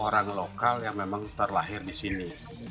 orang lokal yang memang terlahir di sini